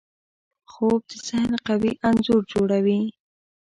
خوب د ذهن قوي انځور جوړوي